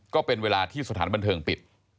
ก็เป็นเวลาที่สถานบันเทิงปิด